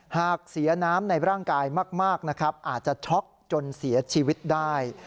หากเสียน้ำในร่างกายมากนะครับอาจจะช็อกจนเสียชีวิตได้